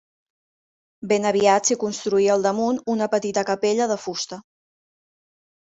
Ben aviat s'hi construí al damunt una petita capella de fusta.